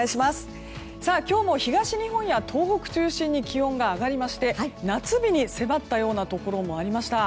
今日も東日本や東北を中心に気温が上がりまして夏日に迫ったようなところもありました。